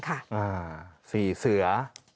ศรีเสือ